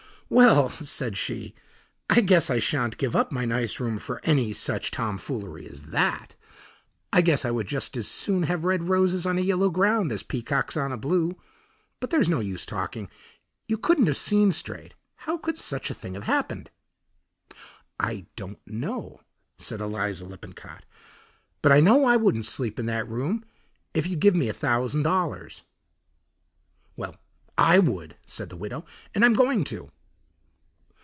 "Well," said she, "I guess I sha'n't give up my nice room for any such tomfoolery as that. I guess I would just as soon have red roses on a yellow ground as peacocks on a blue; but there's no use talking, you couldn't have seen straight. How could such a thing have happened?" "I don't know," said Eliza Lippincott; "but I know I wouldn't sleep in that room if you'd give me a thousand dollars." "Well, I would," said the widow, "and I'm going to."